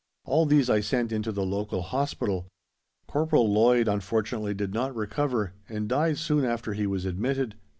All these I sent into the local Hospital; Corporal Lloyd unfortunately did not recover, and died soon after he was admitted.